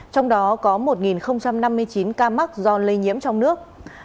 trong đó có một năm mươi chín ca mắc do lây nhiễm trong nước